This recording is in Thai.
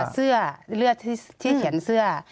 เสื้อเลือดที่เขียนเสื้อ